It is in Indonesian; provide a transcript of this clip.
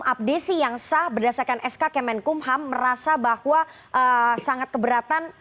abdesi yang sah berdasarkan sk kemenkumham merasa bahwa sangat keberatan